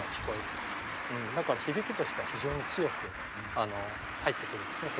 だから響きとしては非常に強く入ってくるんですね